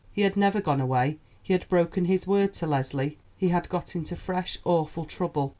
He had never gone away; he had broken his word to Leslie; he had got into fresh, awful trouble.